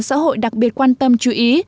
xã hội đặc biệt quan tâm chú ý